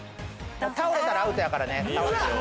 倒れたらアウトやからね。